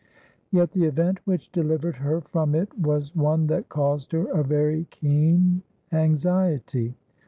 Yet the event which delivered her from it was one that caused her a very keen anxiety.